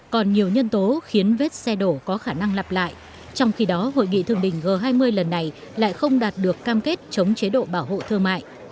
còn nhiều nhân tố khiến vết xe đổ có khả năng lặp lại trong khi đó hội nghị thương đỉnh g hai mươi lần này lại không đạt được cam kết chống chế độ bảo hộ thương mại